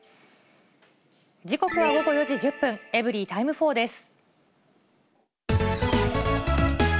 時刻は午後４時１０分、エブリィタイム４です。